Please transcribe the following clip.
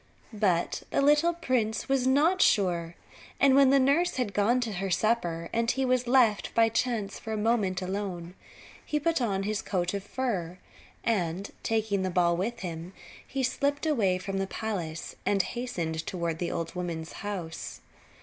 But the little prince was not sure; and when the nurse had gone to her supper and he was left by chance for a moment alone, he put on his coat of fur, and taking the ball with him he slipped away from the palace, and hastened toward the old woman's house.